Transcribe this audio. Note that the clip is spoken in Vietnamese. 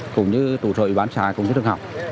cũng như tù trợ bán trái cũng như trường học